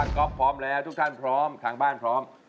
ก็พร้อมแล้วทุกท่านพร้อมทางบ้านพร้อม